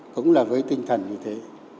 cũng là với tinh thần như thế